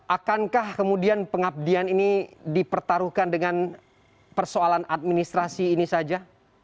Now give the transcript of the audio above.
akankah kemudian pengabdian ini dipertaruhkan dengan persoalan administrasi ini saja